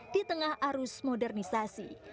di tengah arus modernisasi